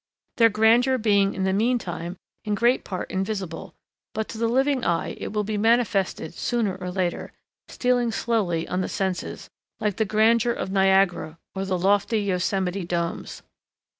—their grandeur being in the mean time in great part invisible, but to the living eye it will be manifested sooner or later, stealing slowly on the senses, like the grandeur of Niagara, or the lofty Yosemite domes.